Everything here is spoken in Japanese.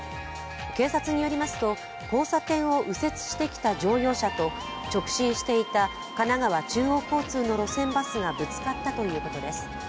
警察によりますと、交差点を右折してきた乗用車と直進していた神奈川中央交通の路線バスがぶつかったということです。